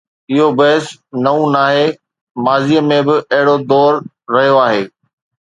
اهو بحث نئون ناهي، ماضي ۾ به اهڙو دور رهيو آهي.